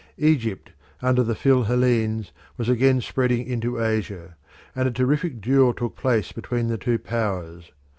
Egypt under the Phil Hellenes was again spreading into Asia, and a terrific duel took place between the two powers.